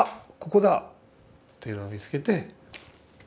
ここだというのを見つけて。